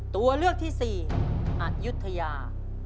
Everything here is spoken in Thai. ตัวเลือกที่สี่อัตยุทยา